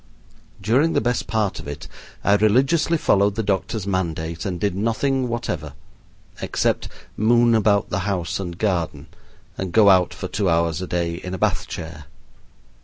During the best part of it I religiously followed the doctor's mandate and did nothing whatever, except moon about the house and garden and go out for two hours a day in a Bath chair.